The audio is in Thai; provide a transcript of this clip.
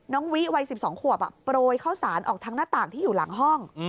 น้องวิวัยสิบสองขวบอ่ะโปรยเข้าสารออกทางหน้าต่างที่อยู่หลังห้อง